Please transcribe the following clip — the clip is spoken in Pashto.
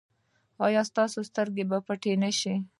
ایا ستاسو سترګې به پټې نه شي؟